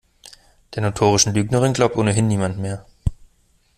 Der notorischen Lügnerin glaubt ohnehin niemand mehr.